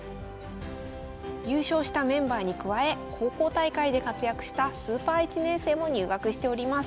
優勝したメンバーに加え高校大会で活躍したスーパー１年生も入学しております。